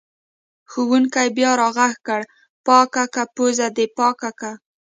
ښوونکي بیا راغږ کړ: پاکه که پوزه دې پاکه که!